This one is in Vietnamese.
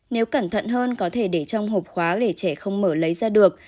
nếu cẩn thận hơn có thể để trong hộp khóa để trẻ không mở lấy ra được